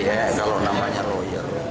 eh kalau namanya roh ya roh